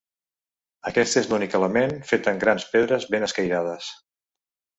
Aquest és l'únic element fet amb grans pedres ben escairades.